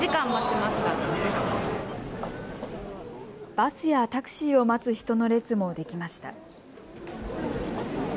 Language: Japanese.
バスやタクシーを待つ人の列もできました。